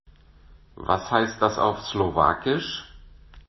Was heißt das auf Slowakisch?